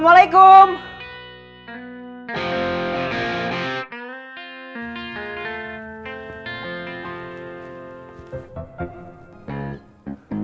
mau kemana lo